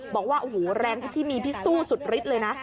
บอกว่าโอ้โหแรงที่พี่มีพี่สู้สุดฤทธิ์เลยนะ